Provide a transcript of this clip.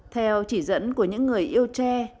theo chỉ dẫn của những người yêu tre